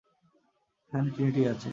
ওখানে ট্রিনিটিই আছে!